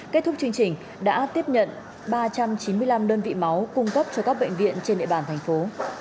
kết thúc chương trình đã tiếp nhận ba trăm chín mươi năm đơn vị máu cung cấp cho các bệnh viện trên địa bàn thành phố